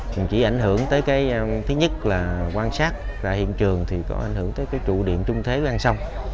chỉ ảnh hưởng tới cái thứ nhất là quan sát ra hiện trường thì có ảnh hưởng tới cái trụ điện trung thế đang xong